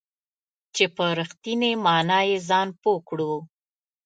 چې په رښتینې معنا یې ځان پوه کړو .